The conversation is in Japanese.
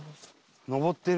上ってる。